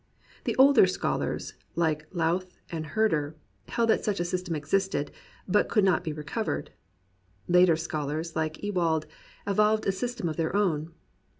The older scholars, like Lowth and Herder, held that such a system existed, but could not be recov ered. Later scholars, like Ewald, evolved a system of their own.